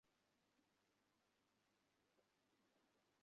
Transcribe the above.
আমাদের হৃদয়- দর্পণেও এইরূপ অজ্ঞান ও অসৎ-ভাবের মলিনতা রহিয়াছে।